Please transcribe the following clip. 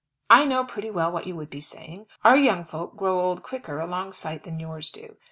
"I know pretty well what you would be saying. Our young folk grow old quicker a long sight than yours do.